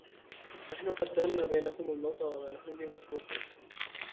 نحن قدرنا بينكم الموت وما نحن بمسبوقين